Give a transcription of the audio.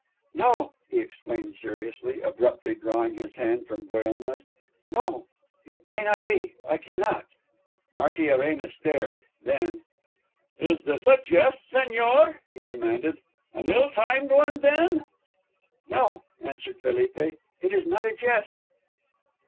"No," he exclaimed seriously, abruptly drawing his hand from Buelna's, "no. It may not be. I cannot." Martiarena stared. Then: "Is this a jest, señor?" he demanded. "An ill timed one, then." "No," answered Felipe, "it is not a jest."